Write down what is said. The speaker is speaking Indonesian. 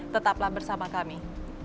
tetaplah bersama kami